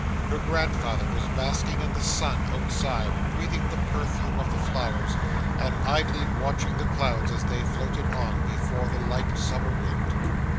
Her grandfather was basking in the sun outside, breathing the perfume of the flowers, and idly watching the clouds as they floated on before the light summer wind.